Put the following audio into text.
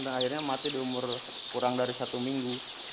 dan akhirnya mati di umur kurang dari satu minggu